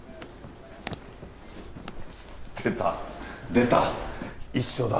出た、出た、一緒だ！